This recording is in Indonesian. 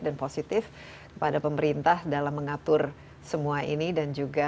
dan positif kepada pemerintah dalam mengatur semua ini dan juga